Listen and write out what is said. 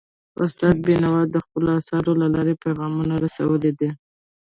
استاد بینوا د خپلو اثارو له لارې پیغامونه رسولي دي.